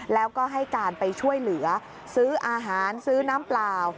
แล้วก็ให้การไปช่วยเหลือซื้ออาหารซื้อน้ำเปล่า